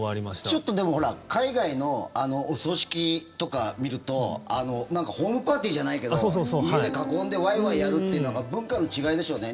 ちょっと、でもほら、海外のお葬式とか見るとホームパーティーじゃないけど家で囲んでワイワイやるというなんか、文化の違いでしょうね。